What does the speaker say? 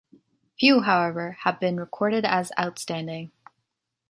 Few, however, have been recorded as outstanding.